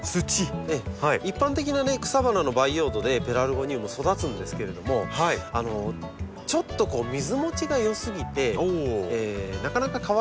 一般的な草花の培養土でペラルゴニウム育つんですけれどもちょっと水もちが良すぎてなかなか乾かない。